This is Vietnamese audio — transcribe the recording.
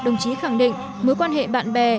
đồng chí khẳng định mối quan hệ bạn bè